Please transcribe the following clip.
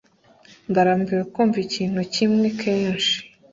ndarambiwe kumva ikintu kimwe kenshi